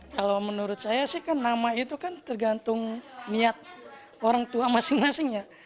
kalau menurut saya sih kan nama itu kan tergantung niat orang tua masing masing ya